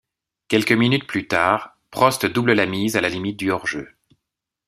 Quelques minutes plus tard, Prost double la mise à la limite du hors-jeu.